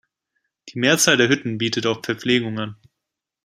Die Mehrzahl der Hütten bietet auch Verpflegung an.